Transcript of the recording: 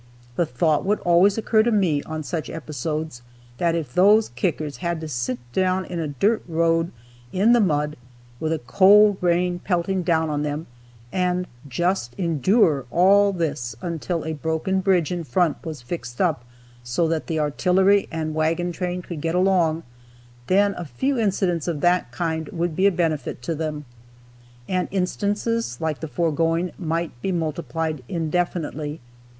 The thought would always occur to me, on such episodes, that if those kickers had to sit down in a dirt road, in the mud, with a cold rain pelting down on them, and just endure all this until a broken bridge in front was fixed up so that the artillery and wagon train could get along, then a few incidents of that kind would be a benefit to them. And instances like the foregoing might be multiplied indefinitely.